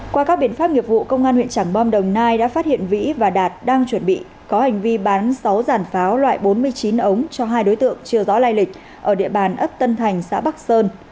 qua các biện pháp nghiệp vụ công an huyện trảng bom đồng nai đã phát hiện vĩ và đạt đang chuẩn bị có hành vi bán sáu giàn pháo loại bốn mươi chín ống cho hai đối tượng chưa rõ lai lịch ở địa bàn ấp tân thành xã bắc sơn